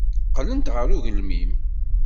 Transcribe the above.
Qqlent ɣer ugelmim.